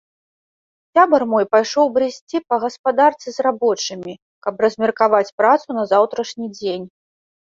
Сябар мой пайшоў брысці па гаспадарцы з рабочымі, каб размеркаваць працу на заўтрашні дзень.